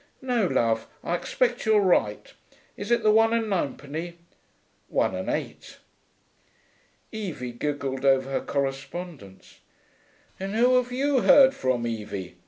'No, love, I expect you're right. Is it the one and ninepenny?' 'One and eight.' Evie giggled over her correspondence. 'And who have you heard from, Evie?'